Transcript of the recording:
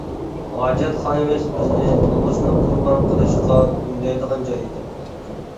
ھاجەتخانىمىز بىزنى نومۇسنى قۇربان قىلىشقا ئۈندەيدىغان جاي ئىدى.